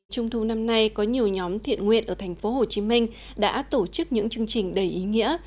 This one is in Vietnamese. trung thu năm nay có nhiều nhóm thiện nguyện ở thành phố hồ chí minh đã tổ chức những chương trình đầy ý nghĩa